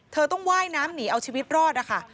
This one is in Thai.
เธอต้องว่ายน้ำหนีเอาชีวิตรอดนะคะ